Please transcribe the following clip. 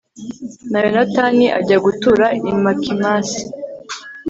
na yonatani ajya gutura i makimasi